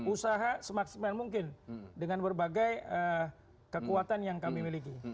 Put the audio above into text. usaha semaksimal mungkin dengan berbagai kekuatan yang kami miliki